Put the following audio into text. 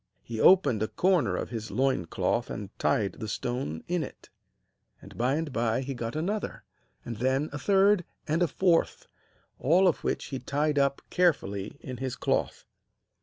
He opened a corner of his loin cloth and tied the stone in it; and by and by he got another, and then a third, and a fourth, all of which he tied up carefully in his cloth.